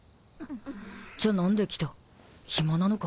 じゃあ何で来た暇なのか？